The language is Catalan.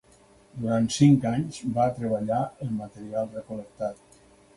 Durant cinc anys va treballar el material recol·lectat.